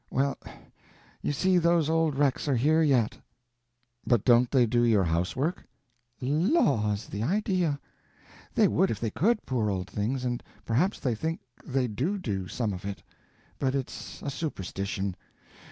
Well, you see those old wrecks are here yet." "But don't they do your housework?" "Laws! The idea. They would if they could, poor old things, and perhaps they think they do do some of it. But it's a superstition.